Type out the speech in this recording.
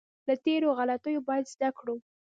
له تېرو غلطیو باید زده کړو.